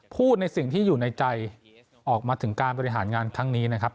พูดในสิ่งที่อยู่ในใจออกมาถึงการบริหารงานครั้งนี้นะครับ